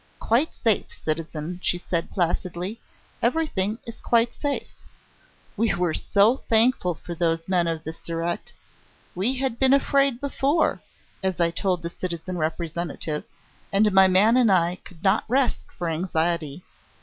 "Quite safe, citizen," she said placidly. "Everything is quite safe. We were so thankful for those men of the Surete. We had been afraid before, as I told the citizen Representative, and my man and I could not rest for anxiety.